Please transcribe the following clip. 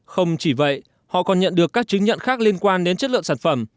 không chỉ vậy họ còn nhận được các chứng nhận khác liên quan đến chất lượng sản phẩm